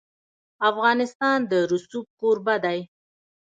افغانستان د رسوب کوربه دی.